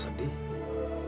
saya ingin tahu